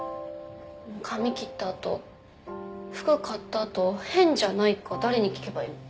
髪切った後服買った後変じゃないか誰に聞けばいいの？